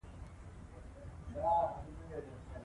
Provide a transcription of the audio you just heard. هنر د ذهن، زړه او روح تر منځ د همغږۍ یوه ښکلي بڼه ده.